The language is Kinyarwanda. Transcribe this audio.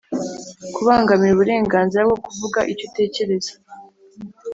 kubangamira uburenganzira bwo kuvuga icyo utekereza